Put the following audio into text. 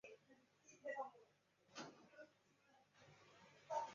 换我出场呀！